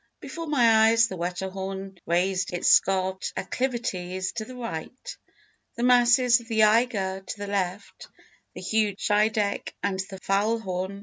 Before my eyes the Wetterhorn raised its scarped acclivities; to the right, the masses of the Eiger, to the left, the huge Scheideck and the Faulhorn.